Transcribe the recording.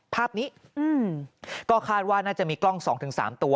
ภาพนี้ก็คาดว่าน่าจะมีกล้อง๒๓ตัว